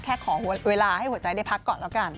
ขอเวลาให้หัวใจได้พักก่อนแล้วกัน